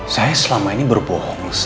saya selama ini berbohong